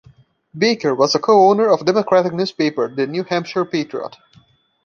Baker was a co-owner of a Democratic newspaper, the "New Hampshire Patriot".